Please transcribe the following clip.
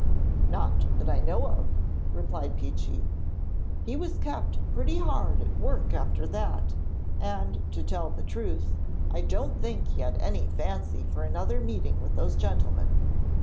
'Not that I know of,' replied Peechy; 'he was kept pretty hard at work after that, and, to tell the truth, I don't think he had any fancy for another meeting with those gentlemen.